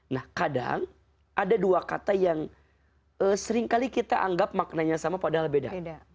nah kadang ada dua kata yang seringkali kita anggap maknanya sama padahal beda